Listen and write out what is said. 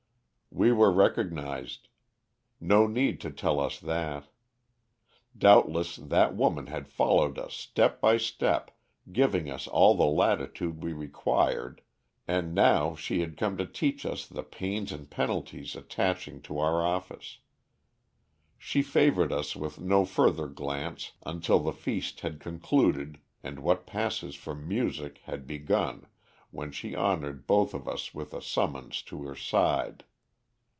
"We were recognized. No need to tell us that. Doubtless that woman had followed us step by step, giving us all the latitude we required, and now she had come to teach us the pains and penalties attaching to our office. She favored us with no further glance until the feast had concluded and what passes for music had begun, when she honored both of us with a summons to her side.